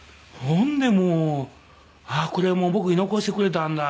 ほんでもうああこれは僕に残してくれたんだ。